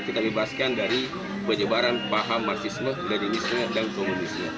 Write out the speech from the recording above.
kita bebaskan dari pejebaran paham marxisme dan dinisnya dan komunisnya